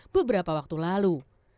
beberapa waktu lalu